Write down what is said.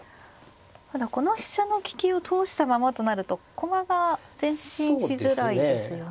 ただこの飛車の利きを通したままとなると駒が前進しづらいですよね。